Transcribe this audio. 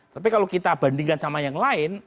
tapi kalau kita bandingkan sama yang lain